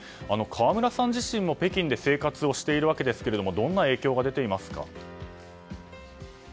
河村さん自身も北京で生活していますがどんな影響が出ていますか？